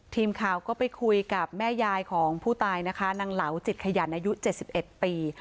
ทีมข่าวก็ไปคุยกับแม่ยายของผู้ตายนะคะนางเหลาจิตขยันอายุ๗๑ปี